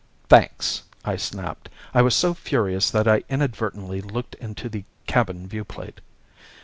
"Thanks!" I snapped. I was so furious that I inadvertently looked into the cabin viewplate.